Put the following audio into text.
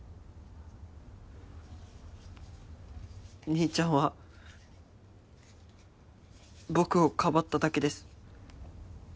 兄ちゃんは僕をかばっただけです